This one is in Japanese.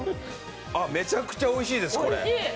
めちゃくちおいしいです。